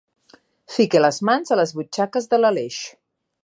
Fique les mans a les butxaques de l'Aleix.